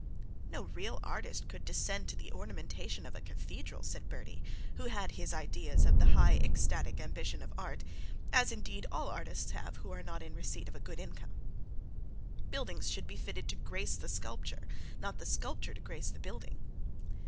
'No real artist could descend to the ornamentation of a cathedral,' said Bertie, who had his ideas of the high ecstatic ambition of art, as indeed all artists have, who are not in receipt of a good income. 'Building should be fitted to grace the sculpture, not the sculpture to grace the building.'